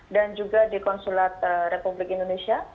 dan juga di konsulat republik indonesia